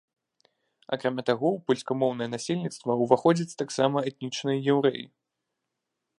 Акрамя таго, у польскамоўнае насельніцтва ўваходзяць таксама этнічныя яўрэі.